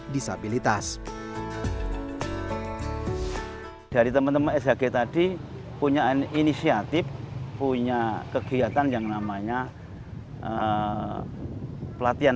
disabilitas dari teman teman shg tadi punya inisiatif punya kegiatan yang namanya pelatihan